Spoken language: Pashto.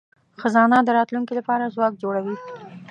خزانه د راتلونکي لپاره ځواک جوړوي.